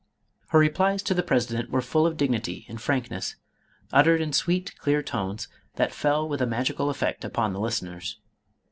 Her replies to the president were full of dignity and frankness, uttered in sweet clear tones that fell with a magical effect upon the listeners.